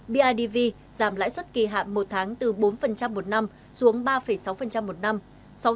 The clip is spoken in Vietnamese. bidv giảm lãi suất kỳ hạn một tháng từ bốn một năm xuống ba sáu một năm